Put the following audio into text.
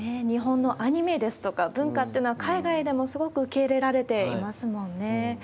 日本のアニメですとか文化っていうのは海外でもすごく受け入れられていますもんね。